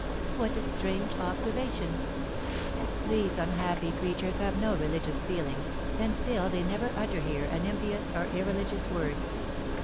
'" "What a strange observation!" "These unhappy creatures have no religious feeling, and still they never utter here an impious or irreligious word.